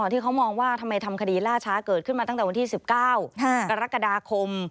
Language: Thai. ที่เขามองว่าทำไมทำคดีล่าช้าเกิดขึ้นมาตั้งแต่วันที่๑๙กรกฎาคม